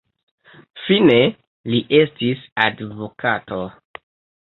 Fine li estis advokato.